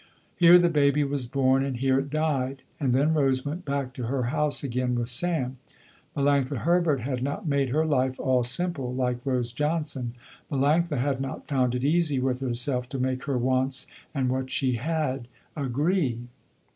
Here the baby was born, and here it died, and then Rose went back to her house again with Sam. Melanctha Herbert had not made her life all simple like Rose Johnson. Melanctha had not found it easy with herself to make her wants and what she had, agree.